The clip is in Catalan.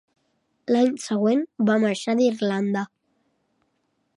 L'any següent, va marxar d'Irlanda.